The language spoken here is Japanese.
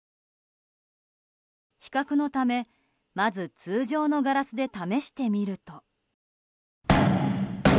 比較のため、まず通常のガラスで試してみると。